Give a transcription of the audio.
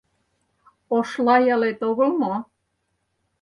Ошла ялет огыл мо!